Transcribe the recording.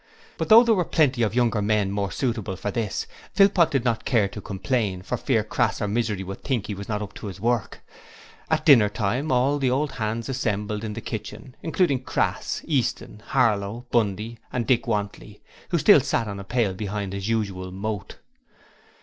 But though there were plenty of younger men more suitable for this, Philpot did not care to complain for fear Crass or Misery should think he was not up to his work. At dinner time all the old hands assembled in the kitchen, including Crass, Easton, Harlow, Bundy and Dick Wantley, who still sat on a pail behind his usual moat.